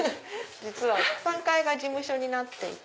実は３階が事務所になっていて。